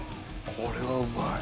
これはうまい。